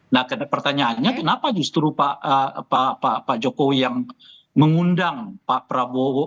nah pertanyaannya kenapa justru pak jokowi yang mengundang pak prabowo